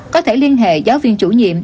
có thể liên hệ giáo viên chủ nhiệm